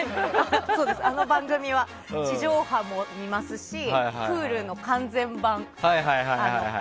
あの番組は地上波も見ますしＨｕｌｕの完全版も。